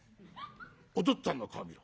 お父っつぁんの顔見ろ。